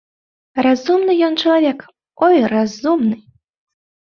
Разумны ён чалавек, ой, разумны!